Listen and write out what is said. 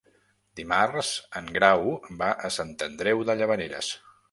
Dimarts en Grau va a Sant Andreu de Llavaneres.